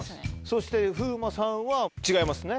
そして風磨さんは違いますね